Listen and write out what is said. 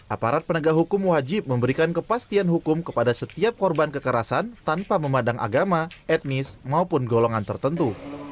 aparat penegak hukum wajib memberikan kepastian hukum kepada setiap korban kekerasan tanpa memandang agama etnis maupun golongan tertentu